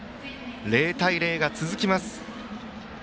０対０が続きます。